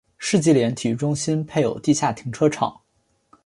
世纪莲体育中心配有地下停车场。